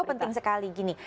oh penting sekali gini